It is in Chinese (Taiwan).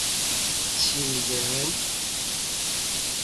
起源